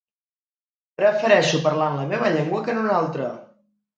Prefereixo parlar en la meva llengua que en una altra.